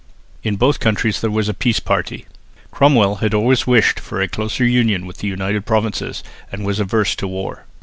In both countries there was a peace party. Cromwell had always wished for a closer union with the United Provinces and was averse to war.